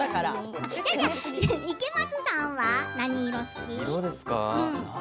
池松さんは何色好き？